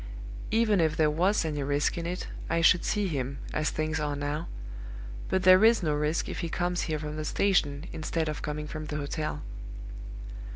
Even if there was any risk in it, I should see him, as things are now. But there is no risk if he comes here from the station instead of coming from the hotel."